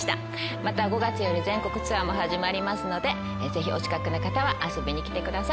また５月より全国ツアーも始まりますのでぜひお近くの方は遊びに来てください。